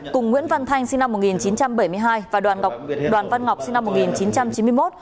cùng nguyễn văn thanh sinh năm một nghìn chín trăm bảy mươi hai và đoàn văn ngọc sinh năm một nghìn chín trăm chín mươi một